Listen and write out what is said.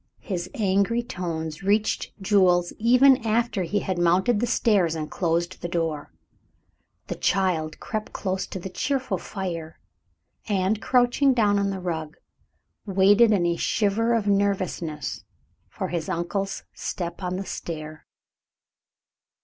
His angry tones reached Jules even after he had mounted the stairs and closed the door. The child crept close to the cheerful fire, and, crouching down on the rug, waited in a shiver of nervousness for his uncle's step on the stair.